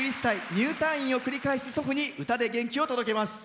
入退院を繰り返す祖父に歌で元気を届けます。